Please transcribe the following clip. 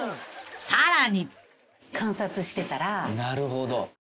［さらに］